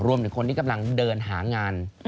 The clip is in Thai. รวมถึงคนที่กำลังเดินหางาน